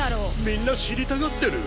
みんな知りたがってる。